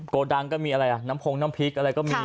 โกดังก็มีอะไรอ่ะน้ำพงน้ำพริกอะไรก็มี